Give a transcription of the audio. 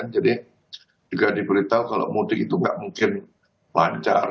jadi juga diberitahu kalau mudik itu nggak mungkin lancar